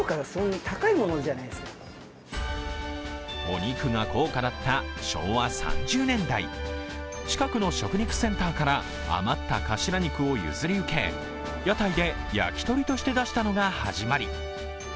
お肉が高価だった昭和３０年代近くの食肉センターから余ったカシラ肉を譲り受け、屋台で、やきとりとして出したのが始まり。